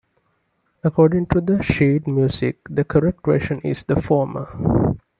According to the sheet music the correct version is the former.